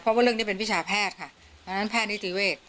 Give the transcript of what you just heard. เพราะว่าเรื่องนี้เป็นวิชาแพทย์ค่ะดังนั้นแพทย์นิติเวศ